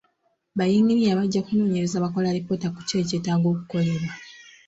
Ba yinginiya bajja kunoonyereza bakole alipoota ku ki ekyetaaga okukolebwa.